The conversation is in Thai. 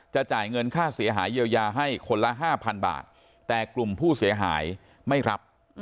จ่ายเงินค่าเสียหายเยียวยาให้คนละ๕๐๐บาทแต่กลุ่มผู้เสียหายไม่รับ